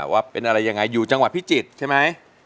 ว่าเป็นอะไรยังไงอยู่จังหวัดพิจิตรใช่ไหม